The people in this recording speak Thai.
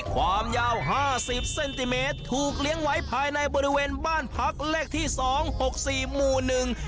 ความยาวห้าสิบเซนติเมตรถูกเลี้ยงไว้ภายในบริเวณบ้านพักเลขที่สองหกสี่หมู่หนึ่ง